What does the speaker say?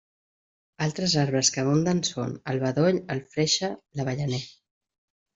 Altres arbres que abunden són: el bedoll, el freixe, l'avellaner.